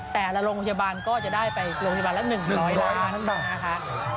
แต่ละโรงพยาบาลก็จะได้ไปโรงพยาบาลละ๑๐๐ล้านนะคะ